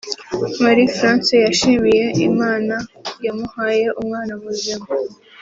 Marie France yashimiye Imana yamuhaye umwana muzima